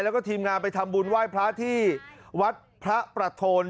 แล้วก็ทีมงานไปทำบุญไหว้พระที่วัดพระประโทน